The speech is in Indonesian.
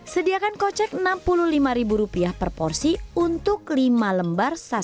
sediakan kocek rp enam puluh lima per porsi untuk lima lembar sapi